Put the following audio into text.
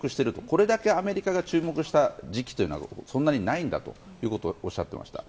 これだけアメリカが注目した時期はそんなにないんだとおっしゃっていました。